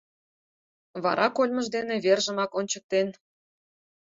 Вара кольмыж дене вержымак ончыктен: